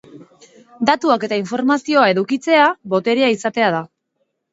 Datuak eta informazioa edukitzea, boterea izatea da.